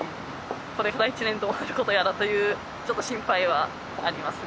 これから１年どうなることやらというちょっと心配はありますね